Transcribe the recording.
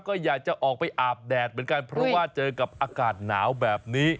ก็อยากจะออกไปอาบแดดเหมือนกันเพราะว่าเจอกับอากาศหนาวแบบนี้